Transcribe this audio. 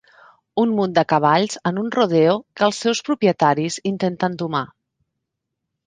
Un munt de cavalls en un rodeo que els seus propietaris intenten domar.